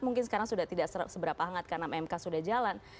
mungkin sekarang sudah tidak seberapa hangat karena mk sudah jalan